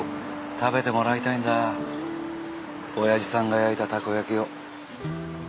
食べてもらいたいんだ親父さんが焼いたたこ焼きを。